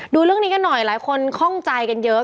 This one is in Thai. ดูเรื่องนี้กันหน่อยหลายคนคล่องใจกันเยอะ